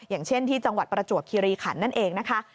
อย่างเช่นที่จังหวัดประจวบคิริขันนั่นเองนะคะ